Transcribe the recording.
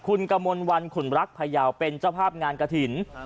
คุณกมลวันคุณรักภัยาวเป็นเจ้าภาพงานกฐิน